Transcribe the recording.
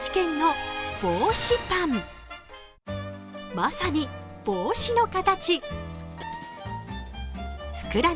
まさに帽子の形。